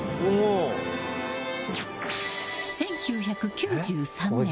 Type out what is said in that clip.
１９９３年